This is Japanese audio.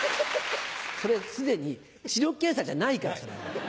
それ既に視力検査じゃないから。